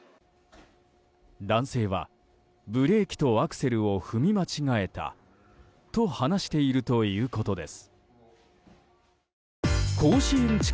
男性はブレーキとアクセルを踏み間違えたと話しているということです。